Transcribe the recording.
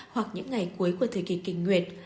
hoặc những ngày cuối của thời kỳ kinh nguyệt